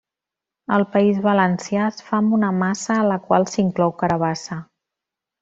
Al País Valencià, es fa amb una massa a la qual s'inclou carabassa.